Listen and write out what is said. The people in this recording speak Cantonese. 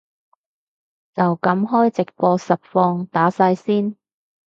就噉開直播實況打晒先